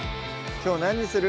きょう何にする？